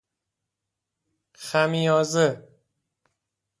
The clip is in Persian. خمیازه